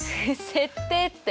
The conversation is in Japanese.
設定って。